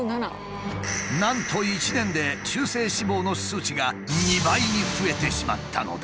なんと１年で中性脂肪の数値が２倍に増えてしまったのだ。